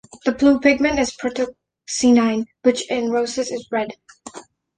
The blue pigment is protocyanin, which in roses is red.